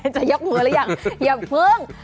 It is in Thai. จะยับหัวหรือยังอย่าเพิ่ง